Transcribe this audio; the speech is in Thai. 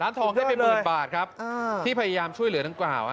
ร้านทองก็เป็นหมื่นบาทครับที่พยายามช่วยเหลือนักขวาว